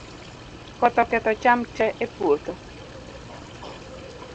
Koth oketho cham tee e puotho